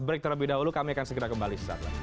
break terlebih dahulu kami akan segera kembali